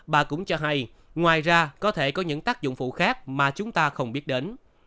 bà cũng cho hay ngoài ra có thể có những tác dụng phụ khác mà chúng ta không biết đến